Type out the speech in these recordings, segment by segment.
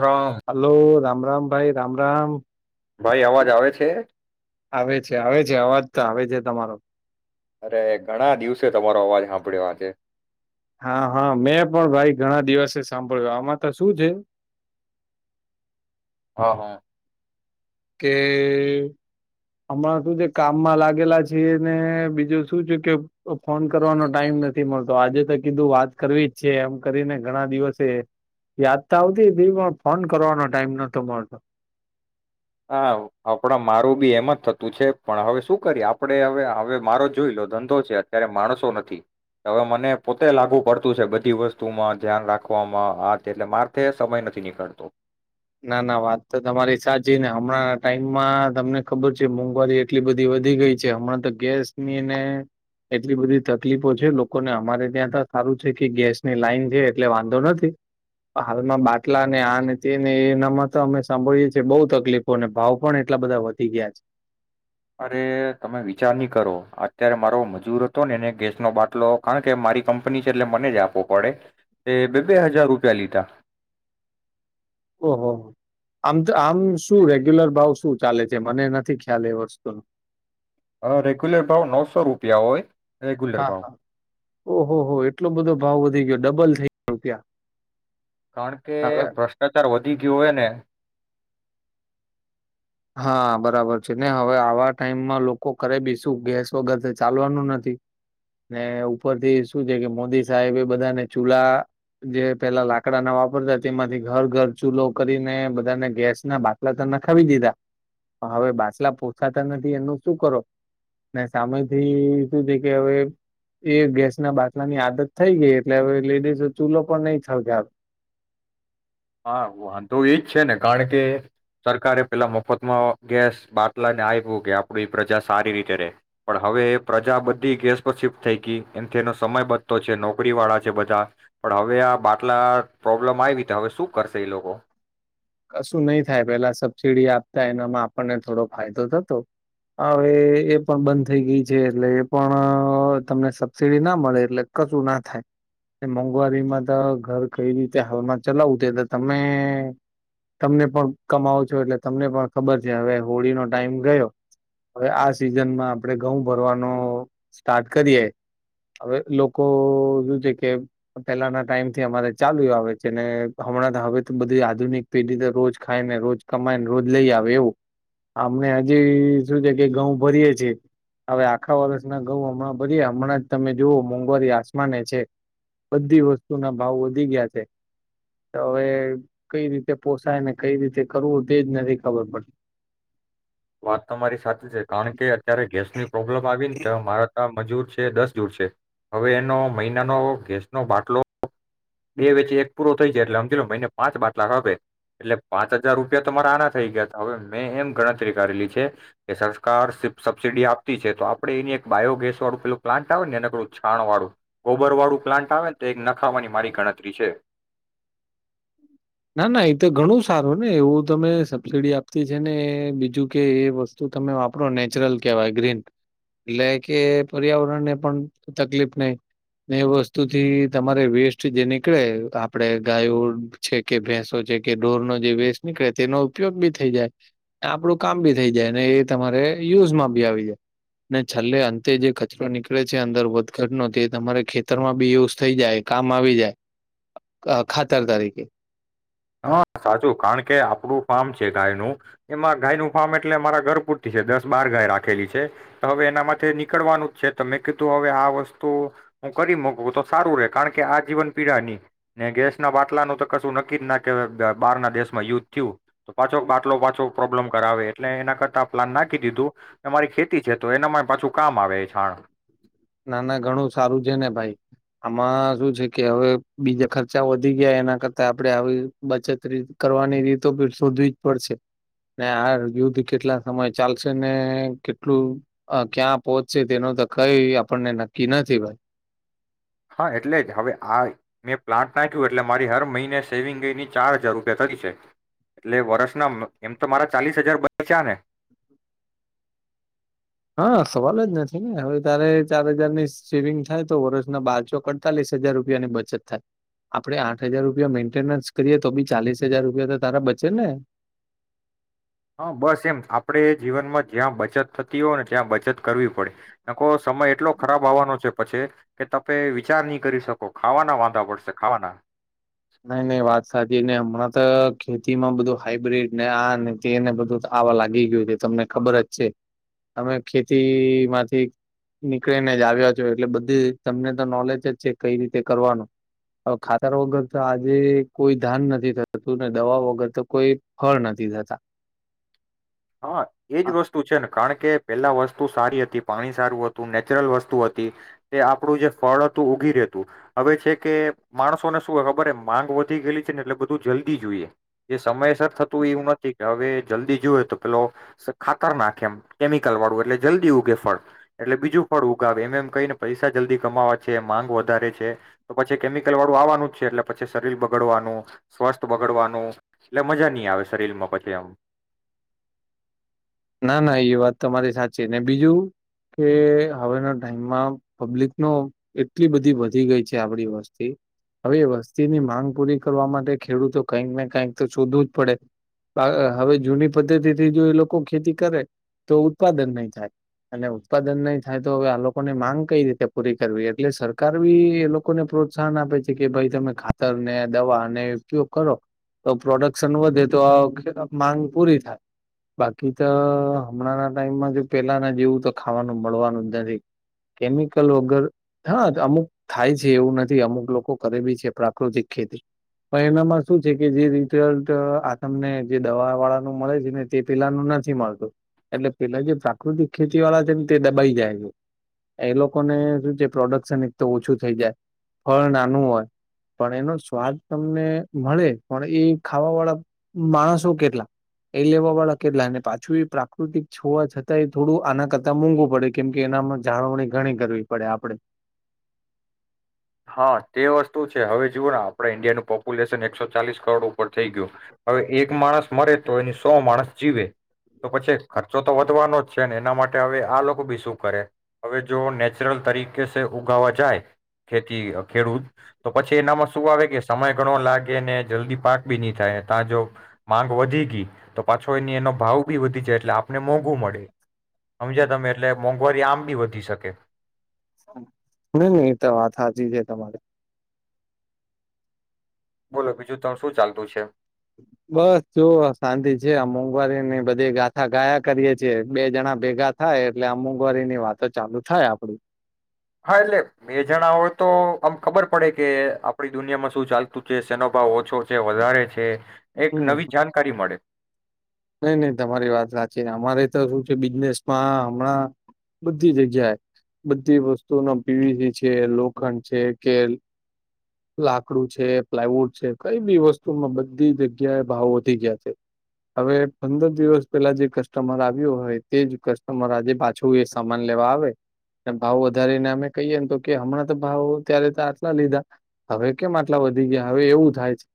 Ram hello Ram. Ram Ram ભાઈ રામ રામ. ભાઈ અવાજ આવે છે. આવે છે આવે છે અવાજ તો આવે છે તમારો. અરે ઘણા દિવસે તમારો અવાજ સાંભળ્યો આજે. હા હા મેં પણ ભાઈ ઘણા દિવસે સાંભળ્યું આમાં તો શું છે. હા હા. કે હમણાં શું જે કામમાં લાગેલા છીએને બીજું શું છે કે ફોન કરવાનો ટાઈમ નથી મળતો આજે તો કીધું વાત કરવી જ છે એમ કરીને ઘણા દિવસે યાદ તો આવતી હતી પણ ફોન કરવાનો ટાઈમ નતો મળતો. હા આપણા મારું બી એમ જ થતું છે પણ હવે શું કરીએ આપણે હવે હવે મારો જોઈ લો ધંધો છે અત્યારે માણસો નથી હવે મને પોતે લાગુ પડતું છે બધી વસ્તુમાં ધ્યાન રાખવામાં આજ એટલે મારથે સમય નથી નીકળતો. ના ના વાત તો તમારી સાચી ને હમણાં ટાઈમમાં તમને ખબર છે મોંઘવારી એટલી બધી વધી ગઈ છે હમણાં તો ગેસનીને એટલી બધી તકલીફો છે લોકોને અમારે ત્યાં તો સારું છે કે ગેસની લાઈન છે એટલે વાંધો નથી હાલમાં બાટલા ને આ ને તે ને એનામાં તો અમે સાંભળીએ છીએ બહુ તકલીફો અને ભાવ પણ એટલા બધા વધી ગયા છે. અરે તમે વિચાર નહી કરો અત્યારે મારો મજૂર હતો ને એને ગેસનો બાટલો કારણ કે મારી કંપની છે એટલે મને જ આપવો પડે એ બે બે હજાર રૂપિયા લીધા. ઓહોહ આમ તો આમ શું રેગ્યુલર ભાવ શું ચાલે છે મને નથી ખ્યાલ એ વસ્તુનો. હ રેગ્યુલેર ભાવ નવસો રૂપિયા હોય. રેગુલર હા ભાવ. હા ઓહો હો એટલો બધો ભાવ વધી ગયો ડબલ થઈ ગયો રૂપિયા. કારણ કે હવે ભ્રષ્ટાચાર વધી ગયો હોય ને. હા બરાબર છે ને હવે આવા ટાઈમમાં લોકો કરરે બી શું ગેસ વગર ચાલવાનું નથી ને ઉપરથી શું છે કે મોદી સાહેબ એ બધાને ચૂલા જે પેલા લાકડા ના વાપરતા તેમાંથી ઘર ઘર ચૂલો કરીને બધાને ગેસ ના બાટલા ત ના ખાવી દીધા. હવે બાટલા પોછાતા નથી એનું શું કરો ને સામેથી શું થ કે હવે એ ગેસ ના બાટલાની આદત થઈ ગઈ એટલે હવે લેડીસ ચૂલો પણ નહી થળગાવ. હા વાંધો એજ છે ને કારણ કે સરકારે પેલા મફતમાં ગેસ બાટલા ને આપ્યું કે આપ પ્રજા સારી રીતે રે પણ હવે પ્રજા બધી ગેસ પર શિફ્ટ થઈ ગઈ એમથી એનો સમય બધતો છે નોકરી વાળા છે બધા પણ હવે આ બાટલા પ્રોબ્લેમ આવી ત હવે શું. કરશે એ લોકો. કશું નહી થાય પેલા સબસિડી આપતા એનામાં આપણને થોડો ફાયદો થતો હવે એ પણ બંધ થઈ ગઈ છે એટલે એ પણ તમને સબસિડી ના મળે એટલે કશું ના થાય મોંઘવારીમાં તો ઘર કઈ રીતે હાલમાં ચલાવું તે તો તમે. તમને પણ કમાવો છો એટલે તમને પણ ખબર છે હવે હોળીનોો ટાઈમ ગયો હવે આ સિઝનમાં આપણે ઘઉં ભરવાનો સ્ટાર્ટ કરીએ હવે લોકો શું છે કે પેલાના ટાઈમથી અમારે ચાલુ આવે છે ને હમણાં હવે બધી આધુનિક. પેઢીતે રોજ ખાયને રોજ કમાયને રોજ લઈ આવે એવું અમને હજી શું છે કે ઘઉં ભરીએે છીએ હવે આખા વર્ષના ઘઉં હમણાં ભરીએ હમણાં જ તમે જોુવઓ મોંઘવારી આસમાને છે બધી વસ્તુ ના ભાવ વધી ગયા છે તો હવે કઈ રીત. પોસાય ને કઈ રીતે કરવું તેજ નથી ખબર પડતી. વાત તો મારી સાચી છે કારણ કે અત્યારે ગેસ ની પ્રોબ્લેમ આવી ને તો મારા ત્યાં મજૂર છે. દસ જુડ છે હવે એનો મહિનાનો ગેસનો બાટલો બે વેચે એક પૂરો થઈ જાય એટલે સમજી લો મિને પાંચ બાટલા આપાપે એટલે પાંચ હજાર રૂપિયા તમા મારા આના થઈ ગયા હતા હવે મેં એમ ગણત. કરેલી છે કે સરકાર સબસીિડી આપતી છે તો આપે એની એક બાયોગેસ વાળું પેલું પ્લાન્ટ આવે ને એું છાણ વાળું ગોબર વાળું પ્લાન્ટ આવે ને તો નખાવાની મારી ગણતરી છે. ના ના એ તો ઘણું સારું ને એવું તમે સબસીિડી આપતી છે ને બીજું કે એ વસ્તુ તમે વાપણો નેચરલ કેહેવાય ગ્રીન એટલે કે પર્યાવરણને પણ તકલીફ નહી એ વસ્તુથી તમારે વેસ્ટ જે નીકળે આપણે ગાયો છેક. કે ભેંસો છે કે ઢોરનો જે ભેસ નીકળે તેનો ઉપયોગ બી થઈ જાય આપડું કામ બી થઈ જાય એ તમારે યુઝમાં બી આવી જાય ને છેલ્લે અંતે જે કચરો નીકળે છે અંદર વધઘટનો તમારે ખેતરમાં બી યુઝ થઈ જાય કામ આવી જાય ખાતર તરીકે. હા સાચું કારણ કે આપડું ફાર્મ છે ગાયનું એમાં ગાયનુંું ફાર્મ એટલે મારા ઘર પૂરતી છે દસ બાર ગાય રાખેલી છે તો હવે એનામાં નીકળવાનું જ છે તો મેં કીધું હવે આ વસ્તુ હું કરી મક તો સારું રે કારણ કે આ જીવન પીડા નની ને ગેસના બાટલાનું તો કશું નક્કી જ નાખ. કે બહાર ના દેશમાં યુદ્ થયું તો પાછો બાટલો પાછો પ્રોબ્લમ કરાવે એટલે એના કરતા પ્લાન નાખી દીધું મારી ખેતી છે તો એનામાં પાછું કામ આવે એ છાણ. નાના ઘણું સારું છે ને ભાઈ આમાં શું છે કે હવે બીજા ખર્ચા વધી ગયા એના કરતા આપડણે આવી બચત કરવાની રીતો શોધવી જ પડશે ને આ યુદ્ધ કેટલા સમય ચાલશે ને કેટલું ક્યાં પહોચશે તેનો તો કઈ. આપને નક્કી નથી ભાઈ. હા એટલે જ હવે આ મેં પ્લાન્ટ નાખ્યું એટલે મારી હર મહિને સેવિંગની ચાર હજાર રૂપિયા થઈ છે એટલે વર્ષના એમ તો મારા ચાલીસ હજાર બાય છેા ને. હા સવાલ જ નથી ને હવે તારે ચાર હજારની સેવિંગ થાય તો વર્ષના બાર ચોક અડતાલીસ હજાર રૂપિયાની બચત થાય આપડે આઠ હજાર રૂપિયા મેન્ટેનન્સ કરીએ તો બી ચાલીસ હજાર રૂપિયા તો તારા બચે ને. હા બસ એમ આપણે જીવનમાં જ્યાં બચત થતી હોય ને ત્યાં બચત કરવી પડે નાકો સમય એટલો ખરાબ આવવાનો છે પછી કે તમે વિચાર નહી કરી શકો ખાવાના વાંધા પડશે ખાવાના. નહી નહી વાત સાચી નને હમણાં તો ખેતીમાં બધું હાઈબ્રિડ ને આ ને તે ને બધું આવા લાગી ગયું છે તમને ખબર જ છે તમે ખેતી માંથી નીકળીને જ આવ્યા છો એટલે બધું તમને તો નોલેજ જ છે કઈ રીતે કરવાનું હવે ખાતર વગર. તો આજે કોઈ ધાન નથી થતું ને દવા વગર તો કોઈ ફળ નથી થતા. હા એજ વસ્તુ છે ને કારણ કે પેલા વસ્તુ સારી હતી. પાણી સારું હતું નેચરલ વસ્તુ હતી તે આપણું જે ફળ હતું ઉગી રહેતું હવે છે કે માણસોને શું ખબર માંગ વધી ગયેલી છે ને એટલે બધું જલ્દી જોઈએ એ સમયસર થતું એવું નથી કે હવે જલ્દી જોુએ તો. પેલો ખાતર નાખે એમ કેમિકલ વાળું એટલે જલ્દી ઉગે ફળ એટલે બીજું ફળ ઉગાવે એમ એમ કહી ને પૈસા જલ્દી કમાવા છે માંગ વધારે છે તો પછી કેમિકલ વાળું આવવાનું જ છે એટલે પછી શરીર બગડવાનું સ્વાસ્થ બગડવાનું એટલે મજા નહી આવે શરીરમાં પછી એમ. ના ના એ વાત તમારી સાચી ને બીજું કે હવેના ટાઈમમાં પબ્લિક નો એટલી બધી વધી ગઈ છે આપડી વસ્તી હવે એ વસ્તીની માંગ પૂરી કરવા માટે ખેડૂતો કઈકને કઈક તો શોધવું જ પડે હવે જૂની પદ્ધતિ થી જો એ લોકો. લોકો ખેતી કરે તો ઉત્પાદન નહી થાય અને ઉત્પાદન નહી થાય તો આ લોકોને માંગ કઈ રીતે પૂરી કરવી એટલે સરકાર બી એ લોકોને પ્રોત્સાહન આપે છે કે ભાઈ તમે ખાતરને દવા અને ઉપયોગ કરો તો પ્રોડક્શન વધે તો માંગ પૂરી થાય. બાકી તો હમણાંના ટાઈમમાં જે પેલાના જેવું તો ખાવાનું મળવાનું જ નથી. કેમિકલ વગર હા અમુક થાય છે એવું નથી અમુક લોકો કરે બી છે પ્રાકૃતિક ખેતી, પણ એનામાં શું છે કે જે રિઝલ્ટ આ તમને જે દવા વાળાનું મળે છે ને તે પેલાનું નથી મળતું. એટલે પેલા જે પ્રાકૃતિક ખેતી વાળા છે ને તે દબાઈ જાય. એ લોકોને શું છે પ્રોડક્શન એક તો ઓછું થઈ જાય, ફળ નાનું હોય પણ એનો સ્વાદ તમને મળે પણ એ ખાવા વાળા માણસો કેટલા, એ લેવા વાળા કેટલા ને પાછું એ પ્રાકૃતિક છોવા જતાં એ થોડું આના કરતા મોંઘું પડે કેમ કે, એનામાં જાળવણી ઘણી કરવી પડે આપડે. હા, તે વસ્તુ છે હવે જુઓ ને આપણે ઈન્ડિયાનું પોપુલેશન એકસો ચાલીસ કરોડ ઉપર થઈ ગીયુ. હવે એક માણસ મરે તો એની સો માણસ જીવે, તો પછી ખર્ચો તો વધવાનો જ છે ને, એના માટે હવે આ લોકો બી શું કરે, હવે જો નેચરલ તરીકે સે ઉગાવા જાય ખેતી અહ ખેડૂત તો પછી એનામાં શું આવે કે સમય ઘણો લાગે ને જલ્દી પાક બી નઈ થાય, તા જો માંગ વધી ગી તો પાછો એની એનો ભાવ બી વધી જાય એટલે આપને મોંઘું મળે હમજ્યા તમે. એટલે મોંઘવારી આમ બી વધી શકે. ની, ની ઈ તો વાત હાચી છે તમારી. બોલો બીજું તા શું ચાલતું છે? બસ જો આ શાંતિ છે. આ મોંઘવારીની બધી ગાથા ગાયા કરીએે છીએ. બે જણા ભેગા થાય એટલે આ મોંઘવારીની વાતો ચાલુ થાય આપડી. હા! એટલે બે જણા હોય તો આમ ખબર પડે કે, આપડી દુનિયામાં શું ચાલતું છે? શેનો ભાવ ઓછો છે? વધારે છે? એક નવી જાનકારી મળે. નઈ નઈ! તમારી વાત હાચી. અમારે તો શું છે બિઝનેસમાં હમણાં બધી જગ્યાએ બધી વસ્તુનો પીવીસી છે, લોખંડ છે, કે લાકડું છે, પ્લાયવુડ છે, કઈ બી વસ્તુમાં બધી જગ્યાએ ભાવ વધી ગીયા છે. હવે પંદર દિવસ પહેલા જે કસ્ટમર આવ્યો હોય તે જ કસ્ટમર આજે પાછું એ સામાન લેવા આવે અને ભાવ વધારીને અમે કહીએ ને તો કે હમણાં તો ભાવ ત્યારે તો આટલા લીધા હવે કેમ આટલા વધી ગીયા? હવે એવું થાય છે.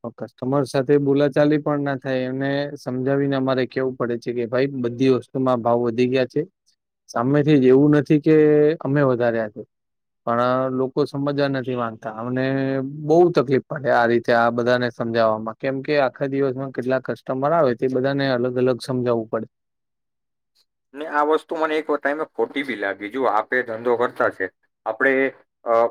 તો કસ્ટમર સાથે બોલાચાલી પણ ના થાય. અને સમજાવીને અમારે કેવું પડે છે કે, ભાઈ બધી વસ્તુમાં ભાવ વધી ગયા છે. સામેથી જ એવું નથી કે અમે વધાર્યા છે પણ લોકો સમજવા નથી માંગતા. અમને બહુ તકલીફ પડે આ રીતે આ બધાને સમજાવામાં, કેમ કે આખા દિવસમાં કેટલાક કસ તમારા આવે તે બધાને અલગ-અલગ સમજાવવું પડે. ને આ વસ્તુ મને એક વ ટાઇમે ખોટી બી લાગી. જુઓ આપે ધંધો કરતા છે, આપડે એ અહ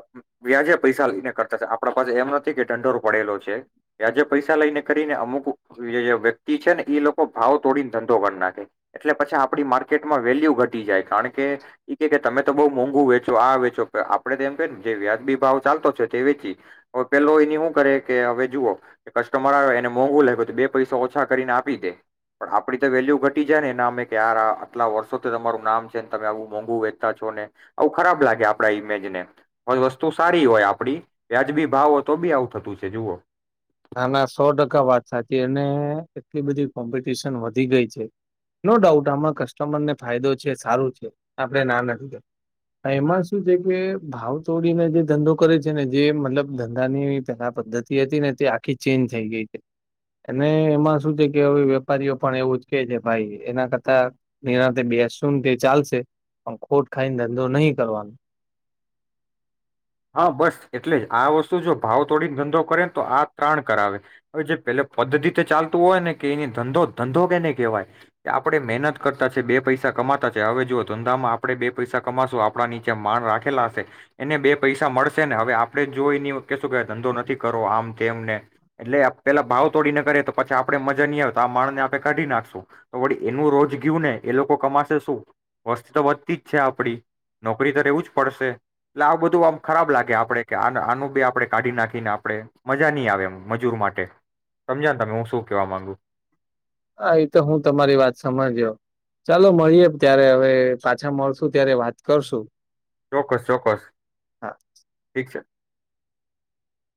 વ્યાજે પૈસા લઈને કરતા છે, આપડા પાસે એમ નથી કે ઢંઢોરો પડેલો છે. વ્યાજે પૈસા લઈને કરીને અમુક વ વ્યક્તિ છે ને ઈ લોકો ભાવ તોડીને ધંધો કર નાખે. એટલે પછી આપડી માર્કેટમાં વેલ્યુ ઘટી જાય, કારણ કે ઈ કે કે તમે તો બહું મોંઘુ વેચો, આ વેચો આપડે તો એમ કેને જે વ્યાજબી ભાવ ચાલતો છે તે વેચીએ. હવે પેલો એની હું કરે કે હવે જુઓ કસ્ટમર આવે એને મોંઘુ લાયગુ તો બે પૈસા ઓછા કરીને આપી દે, પણ આપડી તો વેલ્યુ ઘટી જાય ને. ને અમે કે આરા આટલા વર્ષો થી તમારું નામ છે, ને તમે આવું મોંઘું વેચતા છો ને, આવું ખરાબ લાગે આપડા ઈમેજ ને. પણ વસ્તુ સારી હોય આપડી, વ્યાજબી ભાવ હોય તો બી આવું થતું છે જુઓ! ના, ના સો ટકા વાત સાચી અને એટલી બધી કોમ્પિટિશન વધી ગઈ છે. નો ડાઉટ આમાં કસ્ટમરને ફાયદો છે, સારું છે, આપડે ના નથી કેતા. એમાં શું છે કે ભાવ તોડીને જે ધંધો કરે છે ને જે મતલબ ધંધાની પેલા પદ્ધતિ હતી ને તે આખી ચેન્જ થઈ ગઈ છે. અને એમાં શું છે કે હવે વેપારીઓ પણ એવું જ કે છે ભાઈ એના કરતા નિરાંતે બેશું ને તે ચાલશે પણ ખોટ ખાઈને ધંધો નઈ કરવાનો. હા, બસ એટલે જ. આ વસ્તુ જો ભાવ તોડીને ધંધો કરેને તો આ કાણ કરાવે. હવે જે પેલે પદ્ધતિથી ચાલતું હોય ને કે એની ધંધો-ધંધો કેને કહેવાય કે આપણે મહેનત કરતા છે, બે પૈસા કમાતા છે, હવે જુઓ ધંધામાં આપણે બે પૈસા કમાશું આપણા નીચે માણ રાખેલા હશે એને બે પૈસા મળશે ને. હવે આપણે જોઈ ને એવું કેશું કે ધંધો નથી કરવો આમ તેમ ને એટલે આપ પેલા ભાવ તોડીને કરે તો પછી આપડે મજા ની આવે તો આ માણા ને આપણે કાઢી નાખશું. તો વળી એનું રોજ ગયું ને એ લોકો કમાશે શું? વસ્તી તો વધતી જ છે આપડી, નોકરી એ તો રહેેવું જ પડશે. એટલે આ બધું આમ ખરાબ લાગે આપણે કે આ આનું બી આપણે કાઢી નાખીને આપણે, મજા નહી આવે એમ મજૂર માટે. સમજ્યા તમે હું શું કેવા માંગુ? હા એ તો હું તમારી વાત સમજ્યો. ચાલો મળીએ ત્યારે હવે પાછા મળશું ત્યારે વાત કરશું. ચોક્કસ-ચોક્કસ હા ઠીક છે.